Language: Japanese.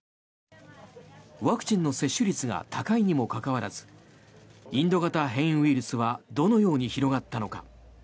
ワクチンの接種率が高いにもかかわらずインド型変異ウイルスはどのように広がったのか。